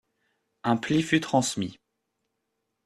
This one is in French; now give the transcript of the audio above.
Un pli fut transmis.